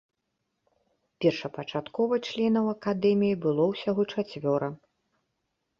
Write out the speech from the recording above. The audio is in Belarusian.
Першапачаткова членаў акадэміі было ўсяго чацвёра.